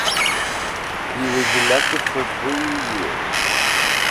He was elected for three years.